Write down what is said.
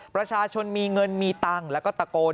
ประชาชนมีเงินมีตังค์แล้วก็ตะโกน